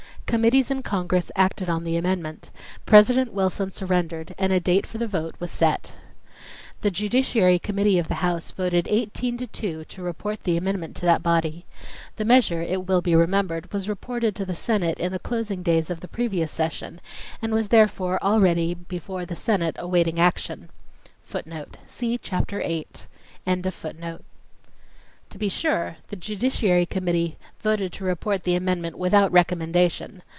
Committees in Congress acted on the amendment. President Wilson surrendered and a date for the vote was set. The Judiciary Committee of the House voted 18 to 2 to report the amendment to that body. The measure, it will be remembered, was reported to the Senate in the closing days of the previous session, and was therefore already before the Senate awaiting action. See Chapter 8. To be sure, the Judiciary Committee voted to report the amendment without recommendation.